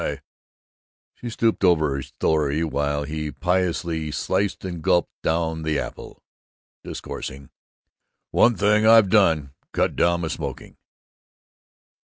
I " She stooped over her story while he piously sliced and gulped down the apple, discoursing: "One thing I've done: cut down my smoking.